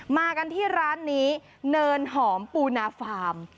มากันที่ร้านนี้เนินหอมปูนาฟาร์ม